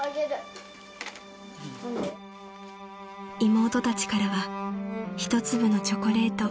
［妹たちからは一粒のチョコレート］